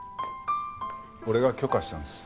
俺が許可したんです。